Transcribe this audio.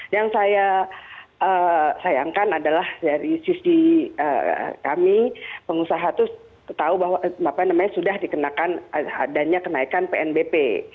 yang saya sayangkan adalah dari sisi kami pengusaha itu tahu bahwa sudah dikenakan adanya kenaikan pnbp